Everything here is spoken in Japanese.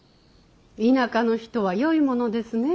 田舎の人はよいものですね。